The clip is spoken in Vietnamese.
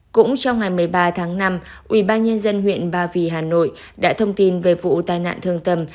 cũng trong ngày một mươi ba tháng năm ủy ban nhân dân huyện ba vì hà nội đã thông tin về vụ tai nạn thương tâm